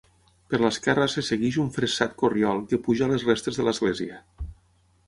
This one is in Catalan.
Per l'esquerra se segueix un fressat corriol que puja a les restes de l'església.